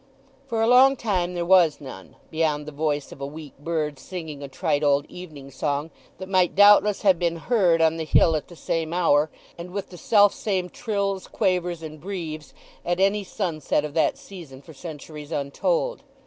For a long time there was none, beyond the voice of a weak bird singing a trite old evening song that might doubtless have been heard on the hill at the same hour, and with the self same trills, quavers, and breves, at any sunset of that season for centuries untold.